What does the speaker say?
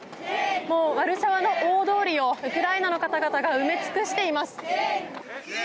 ワルシャワの大通りをウクライナの方々が埋め尽くしています。